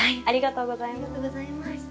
ありがとうございます。